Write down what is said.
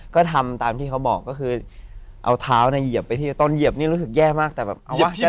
ก็ทำตามที่เขาบอกก็คือเอาเท้าเนี่ยเหยียบไปที่ต้นเหยียบนี่รู้สึกแย่มากแต่แบบเอาวะ